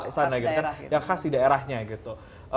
yang khas di daerahnya gitu